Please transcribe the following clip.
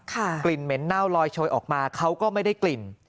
กลิ่นเหม็นเน่าลอยโชยออกมาเขาก็ไม่ได้กลิ่น